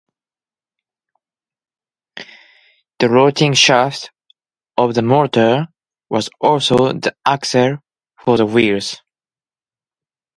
The rotating shaft of the motor was also the axle for the wheels.